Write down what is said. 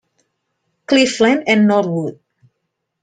Cleveland and Norwood.